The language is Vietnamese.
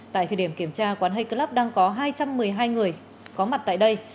tại thời điểm kiểm tra quán hay club đang có hai trăm một mươi hai người có mặt tại đây